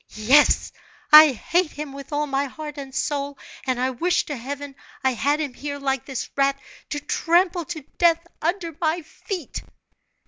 "Yes, I hate him with all my heart and soul, and I wish to heaven I had him here, like this rat, to trample to death under my feet!"